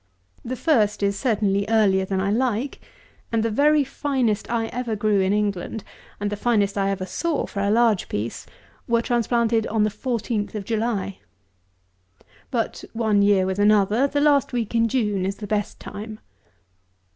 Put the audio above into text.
The first is certainly earlier than I like; and the very finest I ever grew in England, and the finest I ever saw for a large piece, were transplanted on the 14th of July. But one year with another, the last week in June is the best time.